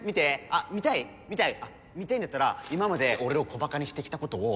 あ見たいんだったら今まで俺を小馬鹿にしてきたことを。